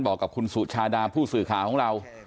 บอกกับคุณสุชาดาผู้สื่อข่าวของเรา